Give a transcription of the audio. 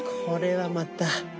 これはまた。